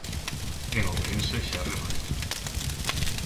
En Ourense xa rematou.